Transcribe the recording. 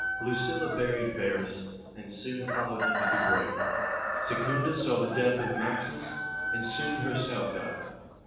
25. Lucilla buried Verus, and soon followed him to the grave. Secunda saw the death of Maximus, and soon herself died.